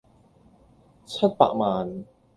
七百萬